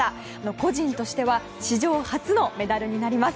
個人としては史上初のメダルになります。